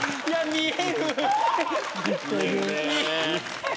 見えるな。